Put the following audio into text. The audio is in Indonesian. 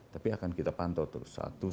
tapi akan kita pantau terus satu sampai dua